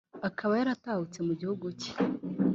Akaba yaratahutse mu gihugu cye